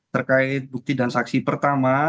terkait bukti dan saksi pertama